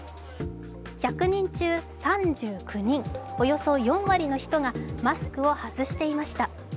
１００人中３９人、およそ４割の人がマスクを外していました。